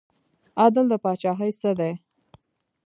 عدل د پاچاهۍ څه دی؟